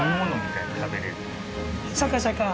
シャカシャカ？